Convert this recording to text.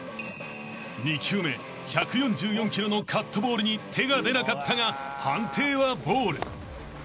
［２球目１４４キロのカットボールに手が出なかったが判定はボール］